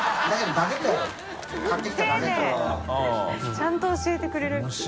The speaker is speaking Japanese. ちゃんと教えてくれる。